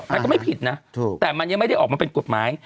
มันก็ไม่ผิดนะแต่มันยังไม่ได้ออกมาเป็นกฎหมาย